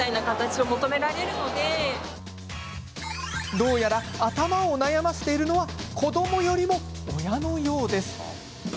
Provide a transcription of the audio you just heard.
どうやら頭を悩ませているのは子どもよりも親のようです。